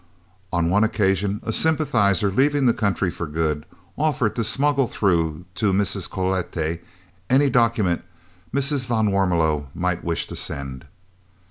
On one occasion a sympathiser, leaving the country for good, offered to smuggle through to Mrs. Cloete any document Mrs. van Warmelo might wish to send.